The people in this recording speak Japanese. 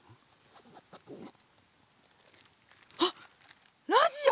あっラジオ！